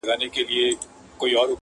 o ډوډۍ که د بل ده نس خو دي خپل دئ.